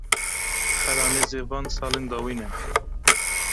Xela nêzî van salên dawîn e.